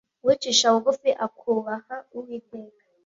uwicisha bugufi, akūbaha uwiteka